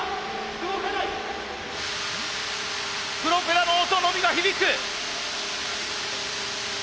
プロペラの音のみが響く。